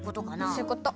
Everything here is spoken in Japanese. そういうこと。